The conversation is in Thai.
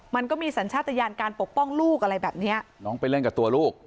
มันก็มีสัญชาติยานการปกป้องลูกอะไรแบบเนี้ยน้องไปเล่นกับตัวลูก